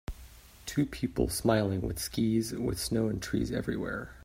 Two people smiling with skis with snow and trees everywhere.